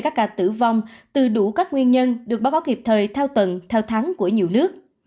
các ca tử vong từ đủ các nguyên nhân được báo cáo kịp thời theo tuần theo tháng của nhiều nước